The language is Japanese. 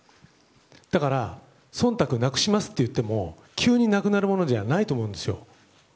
だから、忖度をなくしますといっても急になくなるものじゃないと思うんですよ。